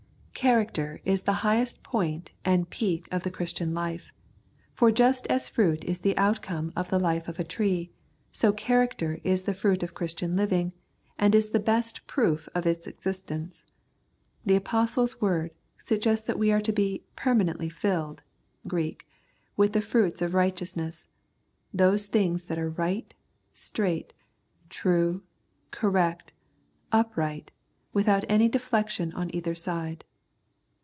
Character is the highest point and peak of the Christian life, for just as fruit is the outcome of the life of a tree, so character is the fruit of Christian living, and is the best proof of its existence. The Apostle's word suggests that we are to be " permanently filled " (Greek) with the fruits of righteous ness, those things that are right, straight, true, correct, upright, without any deflection on either side.